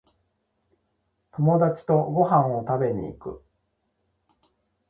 友達とご飯を食べに行く